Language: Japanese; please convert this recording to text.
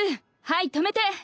はい止めて。